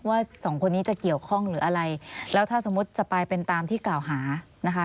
สองคนนี้จะเกี่ยวข้องหรืออะไรแล้วถ้าสมมุติจะไปเป็นตามที่กล่าวหานะคะ